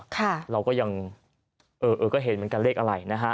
ค่ะเราก็ยังเออเออก็เห็นเหมือนกันเลขอะไรนะฮะ